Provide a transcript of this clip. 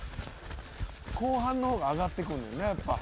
後半の方が上がってくんねんなやっぱ。